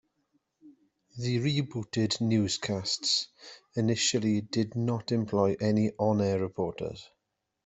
The rebooted newscasts initially did not employ any on-air reporters.